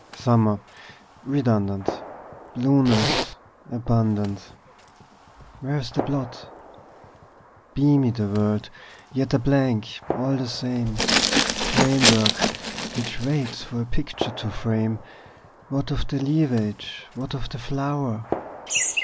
Summer redundant, Blueness abundant, Where is the blot? Beamy the world, yet a blank all the same, Framework which waits for a picture to frame: What of the leafage, what of the flower?